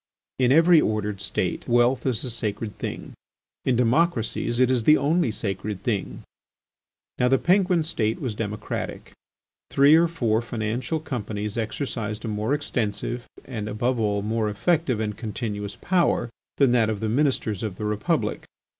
In every ordered State, wealth is a sacred thing: in democracies it is the only sacred thing. Now the Penguin State was democratic. Three or four financial companies exercised a more extensive, and above all, more effective and continuous power, than that of the Ministers of the Republic.